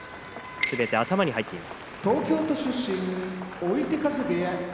すべて頭に入っています。